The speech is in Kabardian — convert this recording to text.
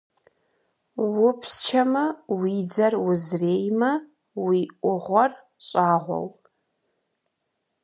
Упсчэмэ, уи дзэр узреймэ, и ӏугъуэр щӏагъэу.